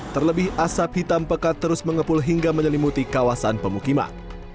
terlebih asap hitam pekat terus mengepul hingga menyelimuti kawasan pemukiman